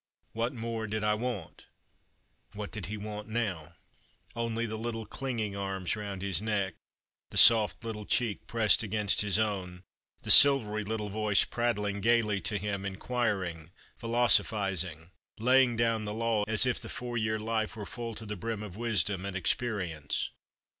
What more did I want ?" What did he want now ? Only the little clinging arms round his neck, the soft little cheek pressed against his own, the silvery little voice prattling gaily to him — inquiring, philosophizing, laying down the law, as if the four year life were full to the brim of wisdom and experience.